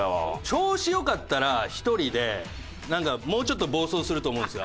調子良かったら１人でなんかもうちょっと暴走すると思うんですよ。